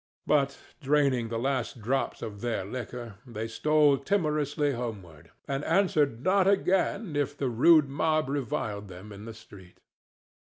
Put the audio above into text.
But, draining the last drops of their liquor, they stole timorously homeward, and answered not again if the rude mob reviled them in the street.